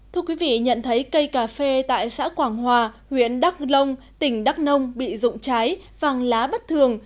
thưa quý vị nhận thấy cây cà phê tại xã quảng hòa huyện đắc long tỉnh đắc nông bị rụng trái vàng lá bất thường